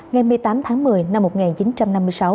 ngày một mươi tám tháng một mươi năm một nghìn chín trăm năm mươi sáu